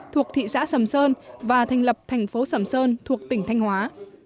thuộc thị xã sầm sơn và thành lập thành phố sầm sơn thuộc tỉnh thanh hóa